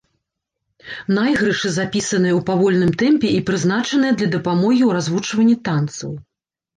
Найгрышы запісаныя ў павольным тэмпе і прызначаныя для дапамогі ў развучванні танцаў.